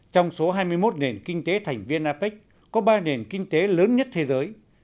trong số hai mươi một nền kinh tế thành viên apec có ba nền kinh tế lớn nhất thế giới